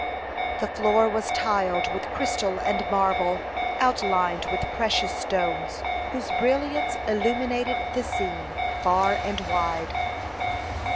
The floor was tiled with crystal and marble, outlined with precious stones, whose brilliance illuminated the scene far and wide.